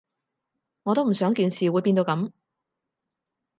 我都唔想件事會變到噉